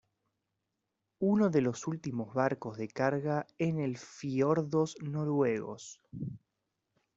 Uno de los últimos barcos de carga en el fiordos Noruegos.